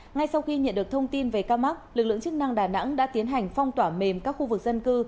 ngay sau khi nhận được thông tin về ca mắc lực lượng chức năng đà nẵng đã tiến hành phong tỏa mềm các khu vực dân cư